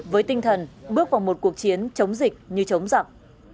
với tinh thần bước vào một cuộc chiến chống dịch như chống giặc